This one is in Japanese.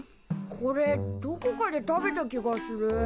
これどこかで食べた気がする。